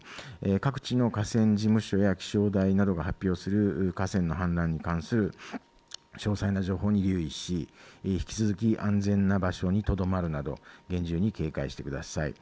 各地の河川事務所や気象台などが発表する河川の氾濫に関する詳細な情報に留意し引き続き安全な場所にとどまるなど警戒してください。